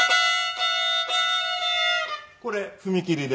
これ踏み切りで。